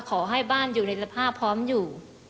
ขอให้บ้านอยู่ในสภาพพร้อมอยู่